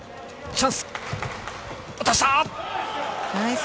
チャンス！